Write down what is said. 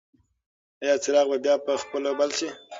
ایا څراغ به بیا په خپله بل شي؟